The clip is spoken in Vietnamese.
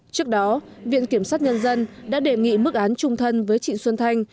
trước đó viện kiểm sát nhân dân đã đề nghị mức án trung thân với trịnh xuân thanh